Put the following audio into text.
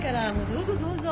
どうぞどうぞ！